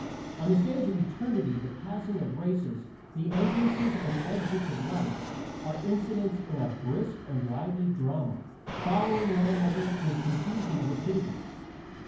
On the stage of Eternity the passing of races the entrances and exits of Life are incidents in a brisk and lively drama, following one another with confusing rapidity.